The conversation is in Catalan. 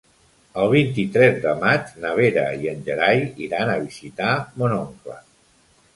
El vint-i-tres de maig na Vera i en Gerai iran a visitar mon oncle.